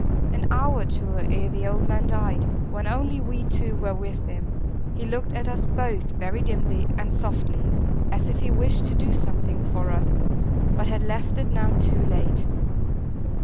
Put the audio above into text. An hour or two ere the old man died, when only we two were with him, he looked at us both very dimly and softly, as if he wished to do something for us, but had left it now too late.